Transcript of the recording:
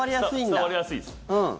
伝わりやすいです。